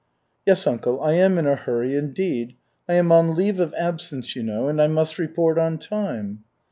"Yes, uncle, I am in a hurry, indeed. I am on leave of absence, you know, and I must report on time."